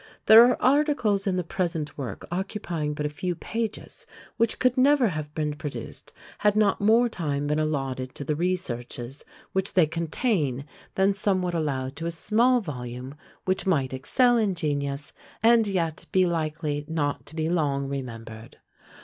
There are articles in the present work occupying but a few pages, which could never have been produced had not more time been allotted to the researches which they contain than some would allow to a small volume, which might excel in genius, and yet be likely not to be long remembered!